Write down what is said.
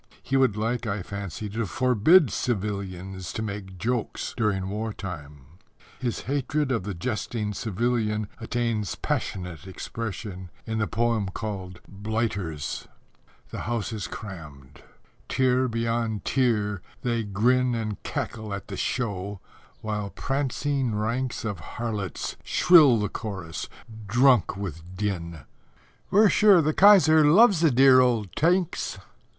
He would like, I fancy, to forbid civilians to make jokes during war time. His hatred of the jesting civilian attains passionate expression in the poem called Blighters: The House is crammed: tier beyond tier they grin And cackle at the Show, while prancing ranks Of harlots shrill the chorus, drunk with din; "We're sure the Kaiser loves the dear old Tanks!"